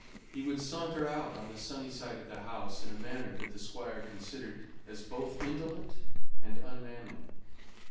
He would saunter out on the sunny side of the house in a manner that the Squire considered as both indolent and unmanly.